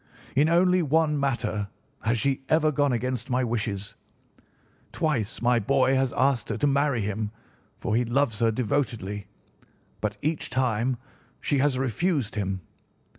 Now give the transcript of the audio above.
In only one matter has she ever gone against my wishes. Twice my boy has asked her to marry him, for he loves her devotedly, but each time she has refused him.